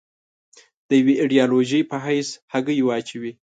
د یوې ایدیالوژۍ په حیث هګۍ واچوي.